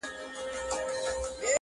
غریب سړی ابلک یې سپی -